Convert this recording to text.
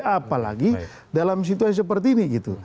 apalagi dalam situasi seperti ini gitu